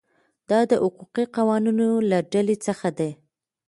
دا د حقوقي قوانینو له ډلې څخه دي.